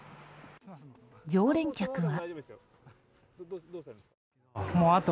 常連客は。